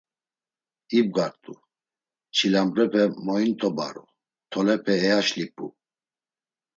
İbgart̆u, çilambrepe moint̆obaru, tolepe eyaşlip̌u.